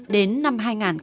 đến năm hai nghìn một mươi sáu